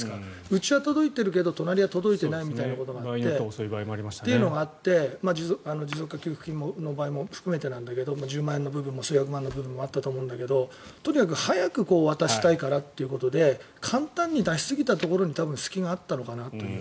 うちは届いているけれど隣は届いてないみたいなことがあって持続化給付金の場合も含めてだけど１０万円の部分も数百万の部分もあったと思うんだけどとにかく早く渡したいからということで簡単に出しすぎたところに隙があったのかなという。